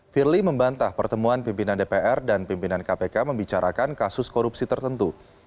firly membantah pertemuan pimpinan dpr dan pimpinan kpk membicarakan kasus korupsi tertentu